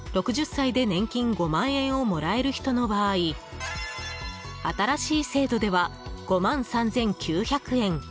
６０歳で年金５万円をもらえる人の場合新しい制度では５万３９００円。